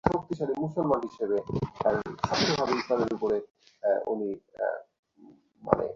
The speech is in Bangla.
কিন্তু সামনে থেকে আক্রমণ করলে ওদের কাছে টিকতে পারার সম্ভাবনা খুব কম।